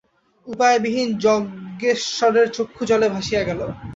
উপায়বিহীন যজ্ঞেশ্বরের চক্ষু জলে ভাসিয়া গেল।